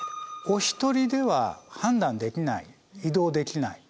お一人では判断できない移動できない。